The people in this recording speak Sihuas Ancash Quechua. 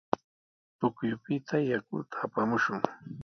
Pukyupita yakuta apamushun.